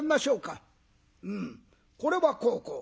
「うん。これはこうこう」。